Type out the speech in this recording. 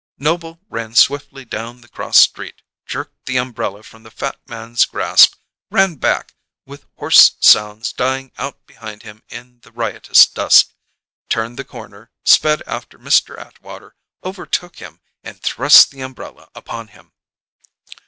Noble ran swiftly down the cross street, jerked the umbrella from the fat man's grasp; ran back, with hoarse sounds dying out behind him in the riotous dusk; turned the corner, sped after Mr. Atwater, overtook him, and thrust the umbrella upon him.